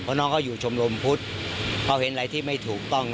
เพราะน้องเขาอยู่ชมรมพุทธเขาเห็นอะไรที่ไม่ถูกต้อง